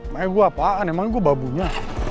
main gua apaan emang gua babunya